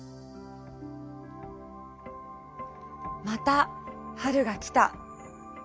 また春が来た。